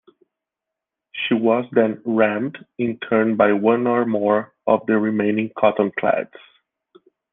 She was then rammed in turn by one or more of the remaining cottonclads.